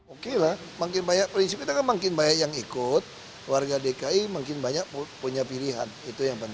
oke lah prinsip kita kan makin banyak yang ikut warga dki makin banyak punya pilihan itu yang penting